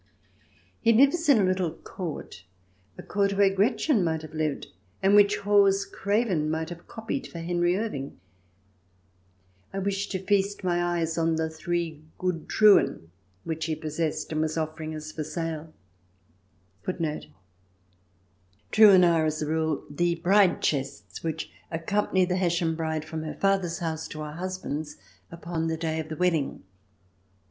He lives in a little court — a court where Gretchen might have lived, and which Hawes Craven might have copied for Henry Irving. I wished to feast my eyes on the three good Truhen * which he * Truhen are, as a rule, the bride chests which accompany the Hessian bride from her father's house to her husband's upon the day of the wedding.